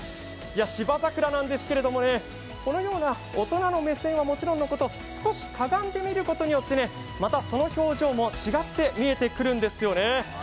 芝桜なんですけれども、このような大人の目線はもちろんのこと、少しかがんでみることによってまたその表情も違って見えてくるんですよね。